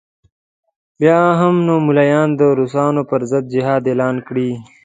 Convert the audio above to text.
بیا به نو ملایان د روسانو پر ضد جهاد اعلان کړي.